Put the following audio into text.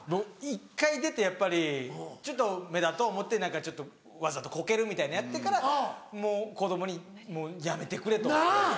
僕１回出てやっぱりちょっと目立とう思うて何かちょっとわざとコケるみたいなやってからもう子供にもうやめてくれと。なぁ。